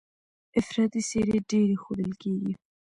افراطي څېرې ډېرې ښودل کېږي.